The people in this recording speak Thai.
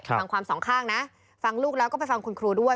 ฟังความสองข้างนะฟังลูกแล้วก็ไปฟังคุณครูด้วย